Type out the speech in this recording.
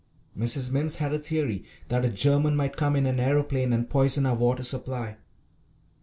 Mrs. Mimms had a theory that a German might come in an aeroplane and poison our water supply.